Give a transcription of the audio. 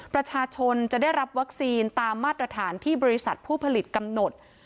ประชาชนจะได้รับวัคซีนตามมาตรฐานที่บริษัทผู้ผลิตกำหนด